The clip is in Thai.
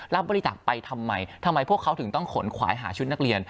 รับบริจาคไปทำไมทำไมพวกเขาถึงต้องขนขวายหาชุดนักเรียน